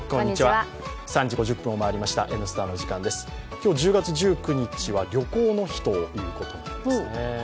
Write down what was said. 今日１０月１９日は旅行の日ということなんですね。